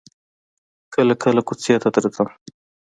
کله کله کوڅې ته درځم.